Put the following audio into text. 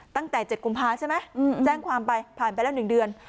ตั้งแต่เจ็ดกุมภาพใช่ไหมอืมแจ้งความไปผ่านไปแล้วหนึ่งเดือน